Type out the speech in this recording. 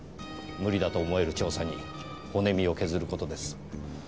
無理だと思える調査に骨身を削ることです。